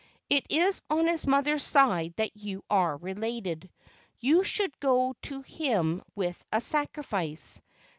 It is on his mother's side that you are related. You should go to him with a sacrifice.